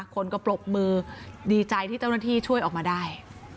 คนก็ปรบมือดีใจที่เจ้าหน้าที่ช่วยออกมาได้